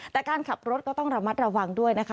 แต่การขับรถก็ต้องระมัดระวังด้วยนะคะ